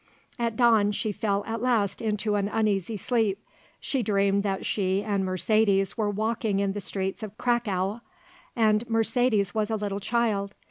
At dawn she fell at last into an uneasy sleep. She dreamed that she and Mercedes were walking in the streets of Cracow, and Mercedes was a little child.